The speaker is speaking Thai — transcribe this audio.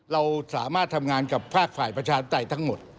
เราสามารถทำงานกับภาคฝ่ายประชาธิปไตยทั้งหมด